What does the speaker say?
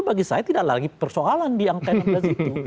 bagi saya tidak lagi persoalan di angka enam belas itu